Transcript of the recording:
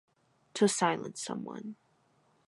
To silence someone.